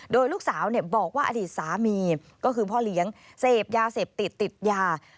โดยลูกสาวบอกว่าอดีตสามีก็คือพ่อเลี้ยงเสพยาเสพติดติดยา